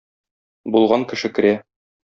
Булган кеше керә.